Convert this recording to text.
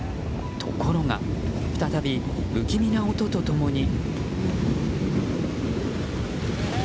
ところが、再び不気味な音と共に。